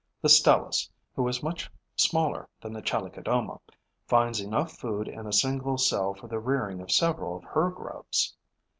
The Stelis, who is much smaller than the Chalicodoma, finds enough food in a single cell for the rearing of several of her grubs.